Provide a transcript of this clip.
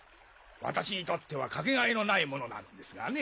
私にとってはかけがえのないものなんですがね。